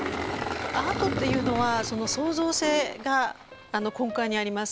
アートっていうのは創造性が根幹にあります。